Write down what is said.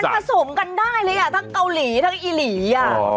ผสมกันได้เลยอ่ะทั้งเกาหลีทั้งอีหลีอ่ะ